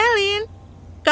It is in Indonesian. kau ini anak baru kan